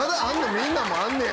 みんなもあんねや。